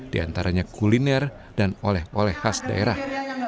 diantaranya kuliner dan oleh oleh khas daerah